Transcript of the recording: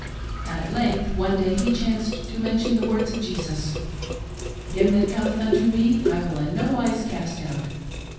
At length ione day he chanced to mention the words of Jesus: "Him that Cometh unto me, I will in no wise cast out."